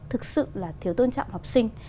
thực sự là thiếu tôn trọng học sinh